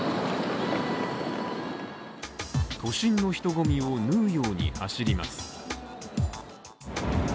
都心の人混みを縫うように走ります。